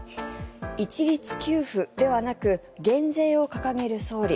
一律給付ではなく減税を掲げる総理。